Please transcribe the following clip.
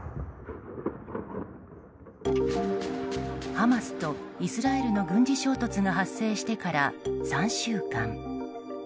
ハマスとイスラエルの軍事衝突が発生してから３週間。